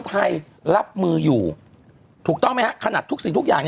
พี่เราหลุดมาไกลแล้วฝรั่งเศส